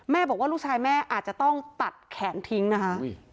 บอกว่าลูกชายแม่อาจจะต้องตัดแขนทิ้งนะคะ